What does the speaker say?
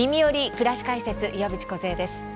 くらし解説」岩渕梢です。